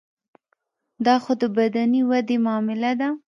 دا خو د بدني ودې معامله ده.